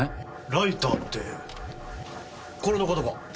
ライターってこれの事か？